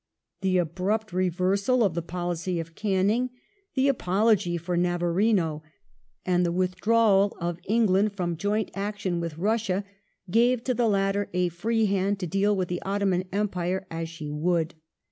The abrupt revei sal of the •^*^ policy of Canning; the apology for Navaririp and the withdrawal of England from joint 'action with Russia, gave to the latter a free hand to deal with the Ottoman Empire as she would.